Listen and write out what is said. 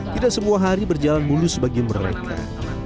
tidak semua hari berjalan mulus bagi mereka